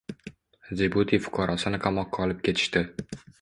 Jibuti fuqarosini qamoqqa olib ketishdi.